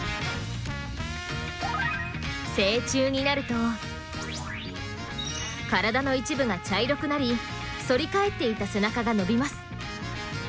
成虫になると体の一部が茶色くなり反り返っていた背中が伸びます。